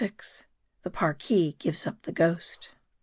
THE PARKI GIVES UP THE GHOST.